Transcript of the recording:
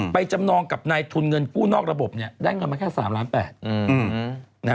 จำนองกับนายทุนเงินกู้นอกระบบได้เงินมาแค่๓ล้าน๘